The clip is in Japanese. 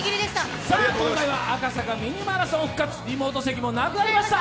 今回は「赤坂ミニマラソン」復活、リモート席もなくなりました。